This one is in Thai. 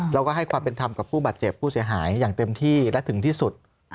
เราก็ให้ความเป็นธรรมกับผู้บาดเจ็บผู้เสียหายอย่างเต็มที่และถึงที่สุด